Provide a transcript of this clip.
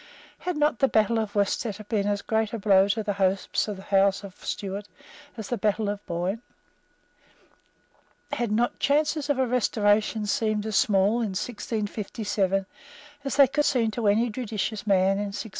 Had not the battle of Worcester been as great a blow to the hopes of the House of Stuart as the battle of the Boyne? Had not the chances of a Restoration seemed as small in 1657 as they could seem to any judicious man in 1691?